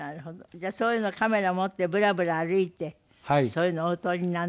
じゃあそういうのをカメラ持ってぶらぶら歩いてそういうのをお撮りになるのが好きなの？